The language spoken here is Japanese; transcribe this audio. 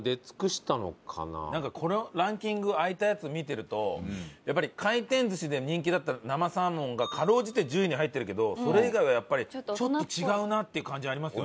なんかこのランキング開いたやつ見てるとやっぱり回転寿司で人気だった生サーモンがかろうじて１０位に入ってるけどそれ以外はやっぱりちょっと違うなっていう感じありますよね。